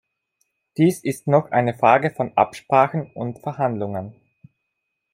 Dies ist noch eine Frage von Absprachen und Verhandlungen.